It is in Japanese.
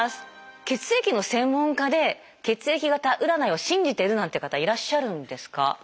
血液の専門家で血液型占いを信じてるなんて方いらっしゃるんですか？